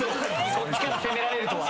そっちからせめられるとは。